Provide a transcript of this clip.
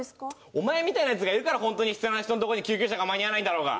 お前みたいなヤツがいるから本当に必要な人のとこに救急車が間に合わないんだろうが！